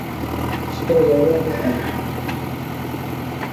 শিকারে যাইব না তো কী।